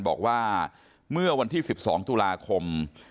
บอกว่าเมื่อวันที่๑๒ตุลาคม